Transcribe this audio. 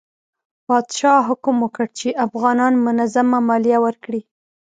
پادشاه حکم وکړ چې افغانان منظمه مالیه ورکړي.